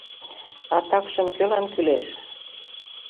А такшым кӧлан кӱлеш?